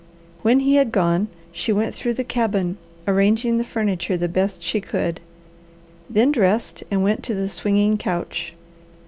When he had gone, she went through the cabin arranging the furniture the best she could, then dressed and went to the swinging couch.